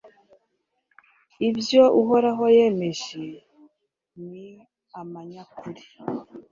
Ibyo Uhoraho yemeje ni amanyakuri